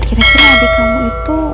kira kira adik kamu itu